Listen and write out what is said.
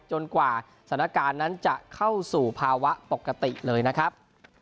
กว่าสถานการณ์นั้นจะเข้าสู่ภาวะปกติเลยนะครับ